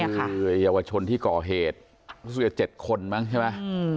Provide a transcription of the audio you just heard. คือเยาวชนที่ก่อเหตุรู้สึกจะ๗คนมั้งใช่ไหม